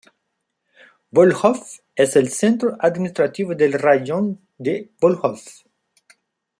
Vóljov es el centro administrativo del raión de Vóljov.